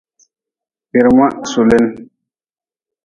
Kpirma sulin.